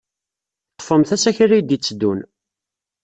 Ḍḍfemt asakal ay d-yetteddun.